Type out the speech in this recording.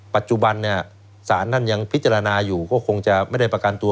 ปัจจุบันเนี่ยศาลท่านยังพิจารณาอยู่ก็คงจะไม่ได้ประกันตัว